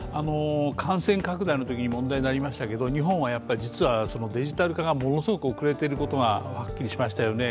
感染拡大のときに問題になりましたけれども、日本は実はデジタル化がものすごく遅れていることがはっきりしましたよね。